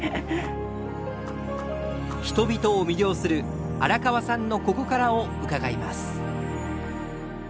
人々を魅了する荒川さんの「ここから」を伺います。